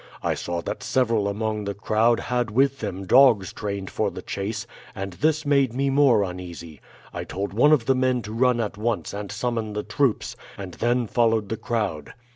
I saw that several among the crowd had with them dogs trained for the chase, and this made me more uneasy. I told one of the men to run at once and summon the troops, and then followed the crowd.